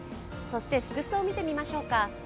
服装を見てみましょうか。